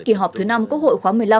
kỳ họp thứ năm quốc hội khóa một mươi năm